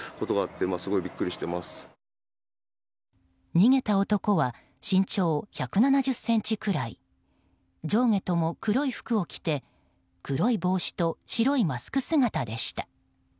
逃げた男は身長１７０ｃｍくらい上下とも黒い服を着て黒い帽子と白いマスク姿でした。